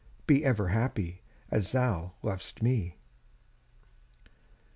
Be ever happy, As thou lov'st me!